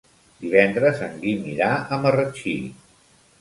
Divendres en Guim irà a Marratxí.